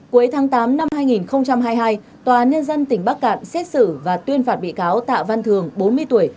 cuối tháng tám năm hai nghìn hai mươi hai tòa án nhân dân tỉnh bắc cạn xét xử và tuyên phạt bị cáo tạ văn thường bốn mươi tuổi